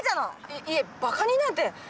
いいえばかになんて。